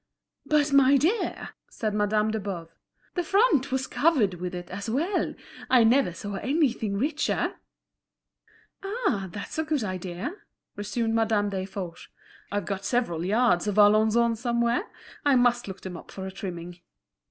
"But, my dear," said Madame de Boves, "the front was covered with it as well. I never saw anything richer." "Ah, that's a good idea," resumed Madame Desforges, "I've got several yards of Alençon somewhere; I must look them up for a trimming."